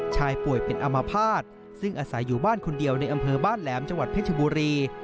ชายป่วยเป็นอามภาษณ์ซึ่งอาศัยอยู่บ้านคนเดียวในอำเภอบ้านแหลมจังหวัดเพชรบุรี